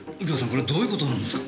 これどういう事なんですか？